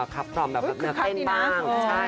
ขับคล่อมแบบเนื้อเต้นบ้าง